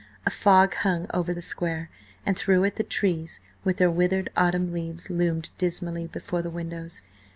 A fog hung over the Square, and through it the trees, with their withered, autumn leaves, loomed dismally before the windows.